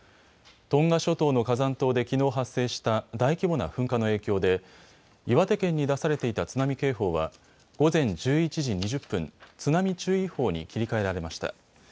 トンガ諸島の火山島できのう発生した大規模な噴火の影響で岩手県に出されていた津波警報は午前１１時２０分、津波注意報に切り替えられました。